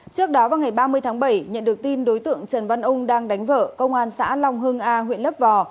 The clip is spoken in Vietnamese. trước đó vào ngày ba mươi tháng bảy nhận được tin đối tượng trần văn ung đang đánh vợ công an xã long hưng a huyện lấp vò